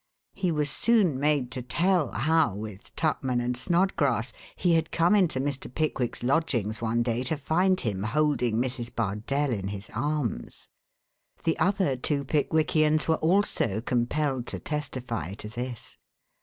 He was soon made to tell how, with Tupman and Snodgrass, he had come into Mr. Pickwick's lodgings one day to find him holding Mrs. Bardell in his arms. The other two Pickwickians were also compelled to testify to this.